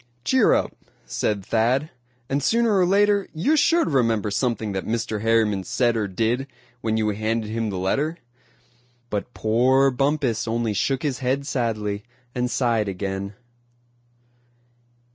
"Cheer up!" said Thad, "and sooner or later you're sure to remember something that Mr. Harriman said or did, when you handed him the letter;" but poor Bumpus only shook his head sadly, and sighed again.